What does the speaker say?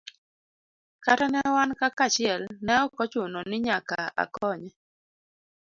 Kata ne wan kaka achiel ne ok ochuno ni nyaka akonye.